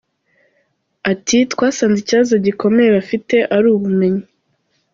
Ati “Twasanze ikibazo gikomeye bafite ari ubumenyi.